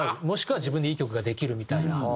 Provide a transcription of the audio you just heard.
もしくは自分でいい曲ができるみたいな。